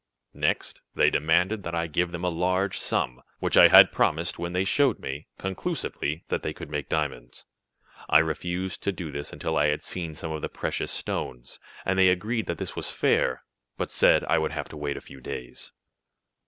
"Next they demanded that I give them a large sum, which I had promised when they showed me, conclusively, that they could make diamonds. I refused to do this until I had seen some of the precious stones, and they agreed that this was fair, but said I would have to wait a few days.